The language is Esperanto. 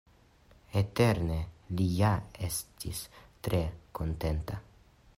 Interne, li ja estis tre kontenta.